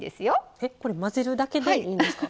えっこれ混ぜるだけでいいんですか？